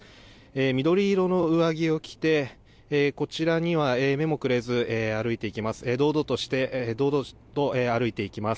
緑色の上着を着てこちらには目もくれず歩いていきます。